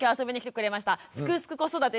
「すくすく子育て」